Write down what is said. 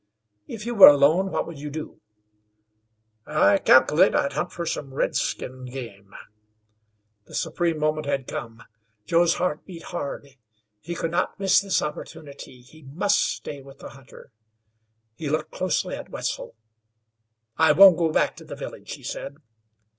"If you were alone what would you do?" "I calkilate I'd hunt fer some red skinned game." The supreme moment had come. Joe's heart beat hard. He could not miss this opportunity; he must stay with the hunter. He looked closely at Wetzel. "I won't go back to the village," he said.